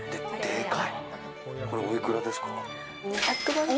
でかい！おいくらですか？